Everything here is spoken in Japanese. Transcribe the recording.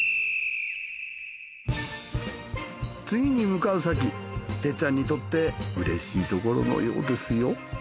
次に向かう先哲ちゃんにとってうれしいところのようですよ。